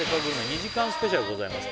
２時間スペシャルございます